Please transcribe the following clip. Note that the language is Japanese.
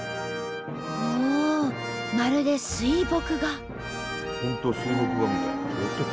おおまるで水墨画。